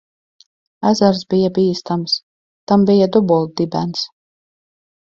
Ezers bija bīstams. Tam bija dubultdibens.